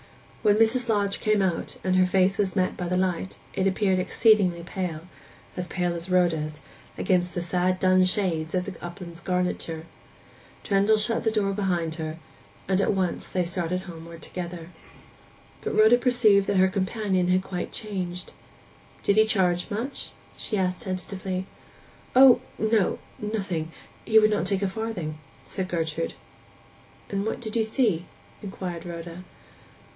When Mrs. Lodge came out, and her face was met by the light, it appeared exceedingly pale—as pale as Rhoda's—against the sad dun shades of the upland's garniture. Trendle shut the door behind her, and they at once started homeward together. But Rhoda perceived that her companion had quite changed. 'Did he charge much?' she asked tentatively. 'O no—nothing. He would not take a farthing,' said Gertrude. 'And what did you see?' inquired Rhoda.